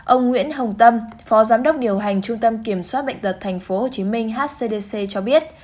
ông nguyễn hồng tâm phó giám đốc điều hành trung tâm kiểm soát bệnh tật tp hcm hcdc cho biết